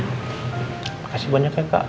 makasih banyak ya kak